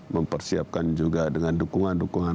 mempersiapkan juga dengan dukungan dukungan